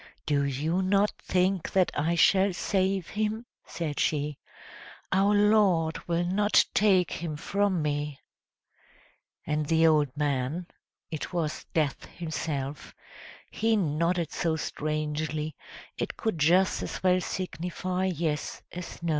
"Do you not think that I shall save him?" said she. "Our Lord will not take him from me!" And the old man it was Death himself he nodded so strangely, it could just as well signify yes as no.